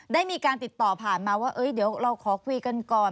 ได้มีการติดต่อผ่านมาว่าเดี๋ยวเราขอคุยกันก่อน